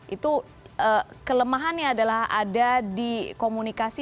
itu kelemahannya adalah ada di komunikasi